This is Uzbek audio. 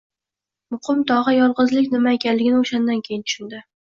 Muqim tog`a yolg`izlik nima ekanligini o`shandan keyin tushundi